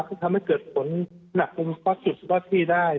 ก็ทำให้เกิดฝนหนักมุมข้อสุดที่ได้